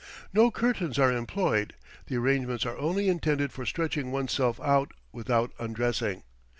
No curtains are employed; the arrangements are only intended for stretching one's self out without undressing.